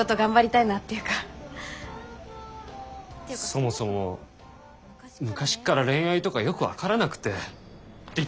そもそも「昔から恋愛とかよく分からなくて」って言ってたよな？